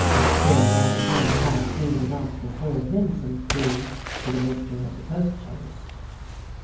Still our hero had gleaned enough to afford him some clue to the mystery of the post chaise.